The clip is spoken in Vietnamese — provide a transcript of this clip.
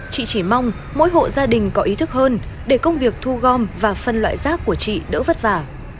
chị chỉ mong mỗi hộ gia đình có ý thức hơn để công việc thu gom và phân loại rác của chị đỡ vất vả